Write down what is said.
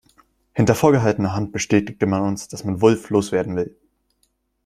Hinter vorgehaltener Hand bestätigte man uns, dass man Wulff loswerden will.